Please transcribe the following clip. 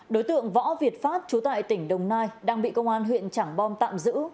đối tượng võ việt phát trú tại tỉnh đồng nai đang bị công an huyện trảng bom tạm giữ